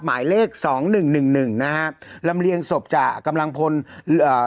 หมายเลขสองหนึ่งหนึ่งหนึ่งหนึ่งนะฮะลำเลียงศพจากกำลังพลเอ่อ